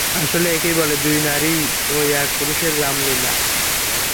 আসলে, একেই বলে দুই নারী ও এক পুরুষের রামলীলা।